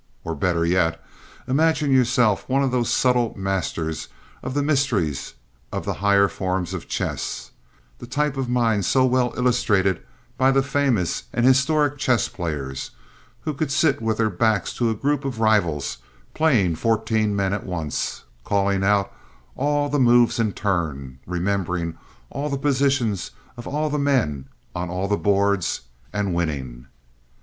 Or, better yet, imagine yourself one of those subtle masters of the mysteries of the higher forms of chess—the type of mind so well illustrated by the famous and historic chess players, who could sit with their backs to a group of rivals playing fourteen men at once, calling out all the moves in turn, remembering all the positions of all the men on all the boards, and winning.